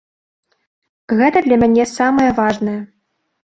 Гэта для мяне самае важнае.